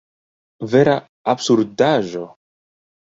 Vera absurdaĵo!